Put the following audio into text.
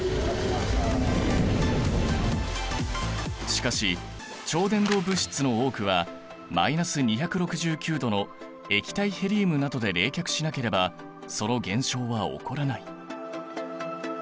しかし超伝導物質の多くはマイナス２６９℃の液体ヘリウムなどで冷却しなければその現象は起こらない。